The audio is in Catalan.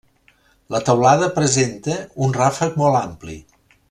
La teulada presenta un ràfec molt ampli.